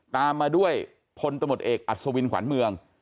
ตามมาด้วยพลตำรวจเอกอัศวินขวัญเมือง